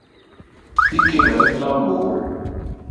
Íkémà ílâ mbǒ.